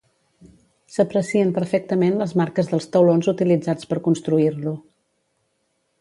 S'aprecien perfectament les marques dels taulons utilitzats per construir-lo.